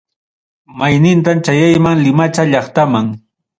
Maynintam chayayman, limacha llaqtaman.